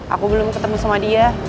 aku belum ketemu sama dia